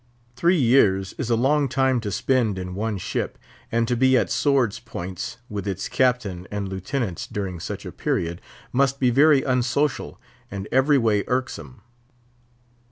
Three years is a long time to spend in one ship, and to be at swords' points with its Captain and Lieutenants during such a period, must be very unsocial and every way irksome.